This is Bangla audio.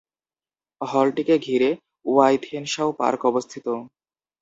হলটিকে ঘিরে ওয়াইথেনশাও পার্ক অবস্থিত।